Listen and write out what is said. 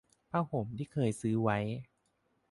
ผ้าห่มที่เคยซื้อไว้